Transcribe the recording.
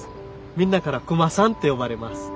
みんなからクマさんって呼ばれます。